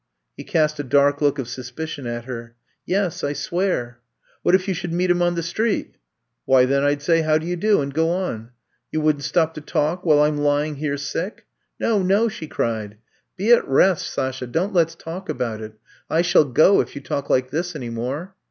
He cast a dark look of suspicion at her. *'Yes, I swear." ^*What if you should meet him on the street f ''^* Why, then, I 'd say how do you do, and go on. '' You wouldn't stop to talk, while I 'm lying here sick!" No, nol" she cried. Be at rest. 162 I'VE COMB TO STAY Sasha— don't let 's talk about it. I shall go if you talk like this any more.'